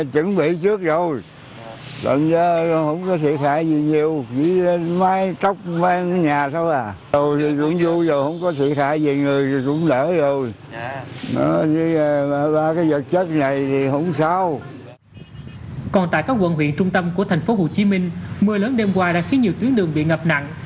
còn tại các quận huyện trung tâm của thành phố hồ chí minh mưa lớn đêm qua đã khiến nhiều tuyến đường bị ngập nặng